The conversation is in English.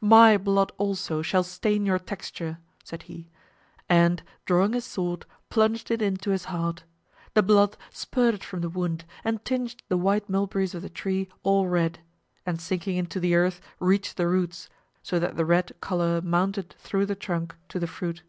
"MY blood also shall stain your texture," said he, and drawing his sword plunged it into his heart. The blood spurted from the wound, and tinged the white mulberries of the tree all red; and sinking into the earth reached the roots, so that the red color mounted through the trunk to the fruit.